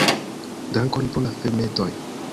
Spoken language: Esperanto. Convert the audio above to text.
"Dankon pro la filmetoj"!